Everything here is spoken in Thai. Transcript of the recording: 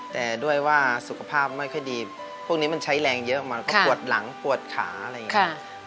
แต่ด้วยว่าสุขภาพไม่ค่อยดีพวกนี้มันใช้แรงเยอะมันก็ปวดหลังปวดขาอะไรอย่างนี้